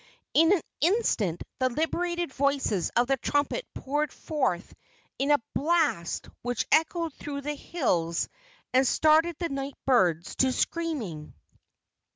In an instant the liberated voices of the trumpet poured forth in a blast which echoed through the hills and started the night birds to screaming.